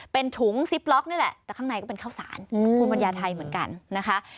เป็นถุงซิปล็อกนี่แหละแต่ข้างในก็เป็นข้าวสารภูมิปัญญาไทยเหมือนกันนะคะ